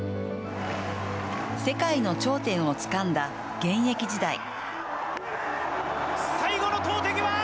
世界の頂点をつかんだ現役時代。